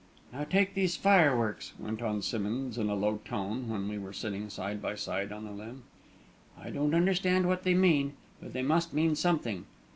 "Now take these fireworks," went on Simmonds, in a low tone, when we were sitting side by side on the limb. "I don't understand what they mean; but they must mean something.